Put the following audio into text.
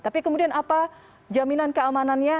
tapi kemudian apa jaminan keamanannya